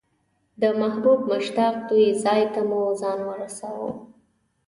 د محبوب مشتاق دوی ځای ته مو ځان ورساوه.